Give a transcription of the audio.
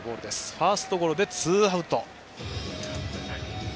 ファーストゴロでツーアウトです。